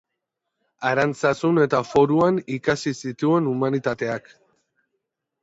Arantzazun eta Foruan ikasi zituen Humanitateak.